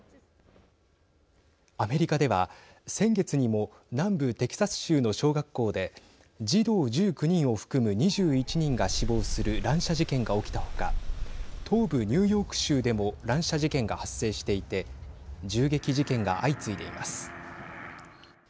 アメリカでは先月にも南部テキサス州の小学校で児童１９人を含む２１人が死亡する乱射事件が起きたほか東部ニューヨーク州でも乱射事件が発生していて銃撃事件が相次いでいます。